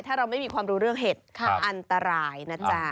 ถ้าเราไม่มีความรู้เรื่องเห็ดอันตรายนะจ๊ะ